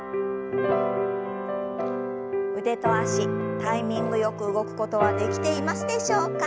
腕と脚タイミングよく動くことはできていますでしょうか。